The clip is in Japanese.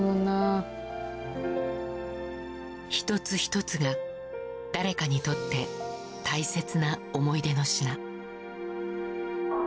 １つ１つが誰かにとって大切な思い出の品。